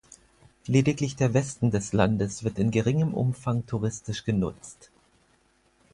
Lediglich der Westen des Landes wird in geringem Umfang touristisch genutzt.